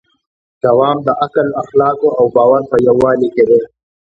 دوام د عقل، اخلاقو او باور په یووالي کې دی.